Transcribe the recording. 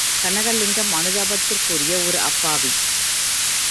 கனகலிங்கம்! அனுதாபத்துக்குரிய ஓர் அப்பாவி!